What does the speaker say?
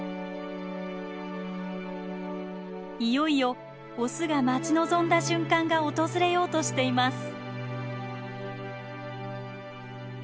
いよいよオスが待ち望んだ瞬間が訪れようとしています。